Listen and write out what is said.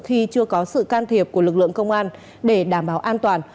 khi chưa có sự can thiệp của lực lượng công an để đảm bảo an toàn